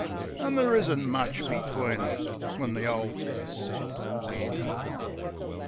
An' there isn't much between 'em when the 'ole thing's said an' done.